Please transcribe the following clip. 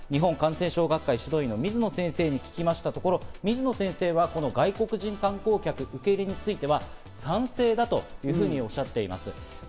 日本感染症学会・指導医の水野先生に聞きましたところ、水野先生は外国人観光客受け入れについては賛成だというふうにおっしゃっています。